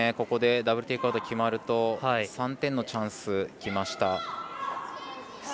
ここでダブル・テイクアウト決まると３点のチャンスきました。